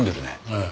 ええ。